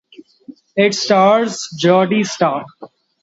It stars Jodi Sta.